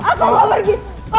aku mau pergi